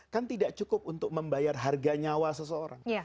kan tidak cukup untuk membayar harga nyawa seseorang